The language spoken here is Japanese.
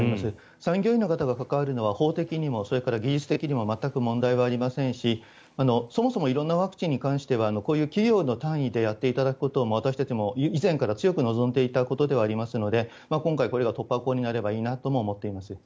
産業医の方が関わるのは法的にも技術的にも全く問題がありませんしそもそも色んなワクチンに関してはこういう企業の単位でやっていただくことを私たちも以前から強く望んでいたことではありますので今回、これが突破口になればいいなとも思っています。